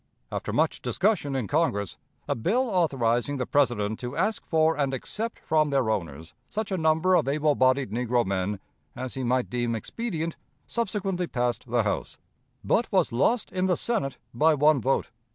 After much discussion in Congress, a bill authorizing the President to ask for and accept from their owners such a number of able bodied negro men as he might deem expedient subsequently passed the House, but was lost in the Senate by one vote.